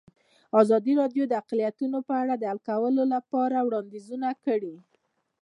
ازادي راډیو د اقلیتونه په اړه د حل کولو لپاره وړاندیزونه کړي.